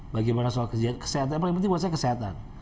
bagaimana soal kesehatan yang paling penting buat saya kesehatan